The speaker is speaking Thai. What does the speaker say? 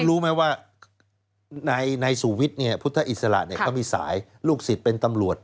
รู้ไหมว่าในสูวิทย์พุทธอิสระเขามีสายลูกศิษย์เป็นตำรวจ